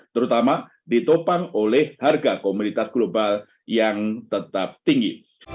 terutama ditopang oleh harga komoditas global yang tetap tinggi